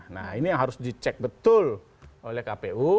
nah ini yang harus dicek betul oleh kpu